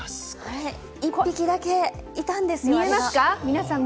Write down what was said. １匹だけいたんですよ。